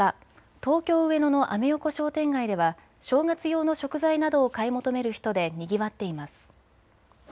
東京上野のアメ横商店街では正月用の食材などを買い求める人でにぎわっています。